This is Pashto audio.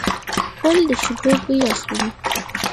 غول د شیدو بوی اخلي.